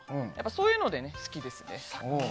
そういうので好きですね。